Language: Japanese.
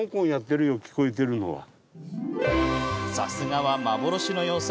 さすがは幻の妖精。